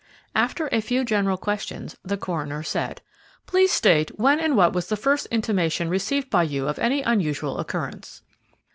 After a few general questions, the coroner said, "Please state when and what was the first intimation received by you of any unusual occurrence."